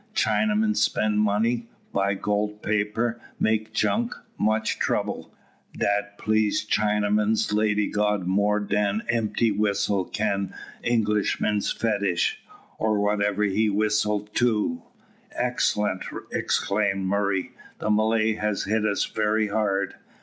Chinaman spend money, buy gold paper, make junk, much trouble. Dat please Chinaman's lady god more dan empty whistle can Englishman's fetish, or whatever he whistle to." "Excellent," exclaimed Murray. "The Malay has hit us very hard.